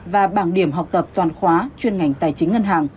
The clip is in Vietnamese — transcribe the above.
và bảng điểm học tập toàn khóa chuyên ngành tài chính ngân hàng